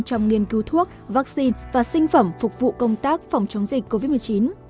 trong nghiên cứu thuốc vaccine và sinh phẩm phục vụ công tác phòng chống dịch covid một mươi chín